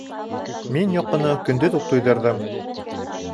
— Мин йоҡоно көндөҙ үк туйҙырҙым.